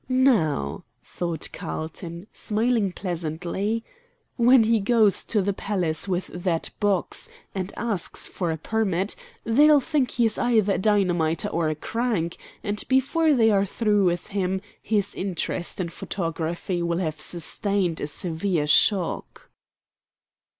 "Now," thought Carlton, smiling pleasantly, "when he goes to the palace with that box and asks for a permit, they'll think he is either a dynamiter or a crank, and before they are through with him his interest in photography will have sustained a severe shock."